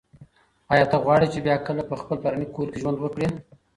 ایا ته غواړي چې بیا کله په خپل پلرني کور کې ژوند وکړې؟